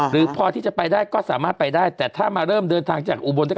หรือพอที่จะไปได้ก็สามารถไปได้แต่ถ้ามาเริ่มเดินทางจากอุบล